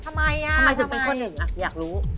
ทำไมกัดอยู่เป็นตอนหนึ่งอยากรู้